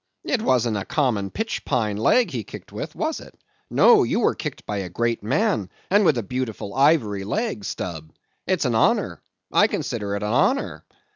it wasn't a common pitch pine leg he kicked with, was it? No, you were kicked by a great man, and with a beautiful ivory leg, Stubb. It's an honor; I consider it an honor.